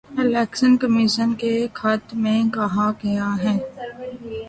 election commission کے خط میں کہا گیا ہے